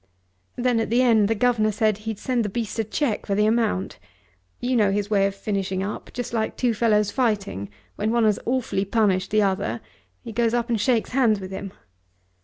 Then at the end the governor said he'd send the beast a cheque for the amount. You know his way of finishing up, just like two fellows fighting; when one has awfully punished the other he goes up and shakes hands with him.